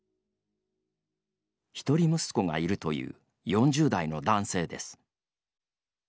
一人息子がいるという４０代の男性です。